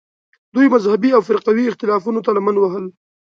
دوی مذهبي او فرقوي اختلافونو ته لمن وهل